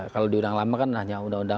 kalau di undang lama kan hanya undang undang